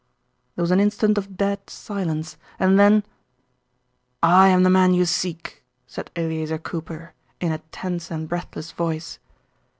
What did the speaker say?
There was an instant of dead silence and then, "I am the man you seek!" said Eleazer Cooper, in a tense and breathless voice.